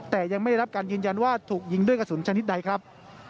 แต่ยังไม่ได้รับการยืนยันว่าถูกยิงด้วยกระสุนชนิดใดครับ